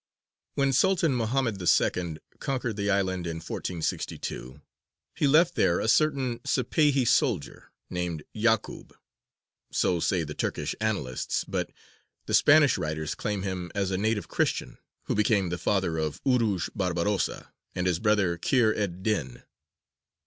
When Sultan Mohammed II. conquered the island in 1462, he left there a certain Sipāhi soldier, named Ya'kūb so say the Turkish annalists, but the Spanish writers claim him as a native Christian who became the father of Urūj Barbarossa and his brother Kheyr ed dīn.